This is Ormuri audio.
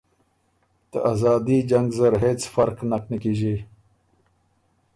ته ازادي جنګ زر هېڅ فرخ نک نیکیݫی۔